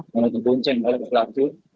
yang ada di bonceng yang ada di selaku